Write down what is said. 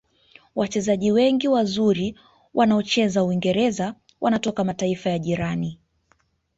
wachezaji wengi wazuri waonaocheza uingereza wanatoka mataifa ya jirani